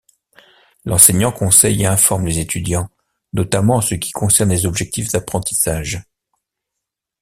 L'enseignant conseille et informe les étudiants, notamment en ce qui concerne les objectifs d’apprentissage.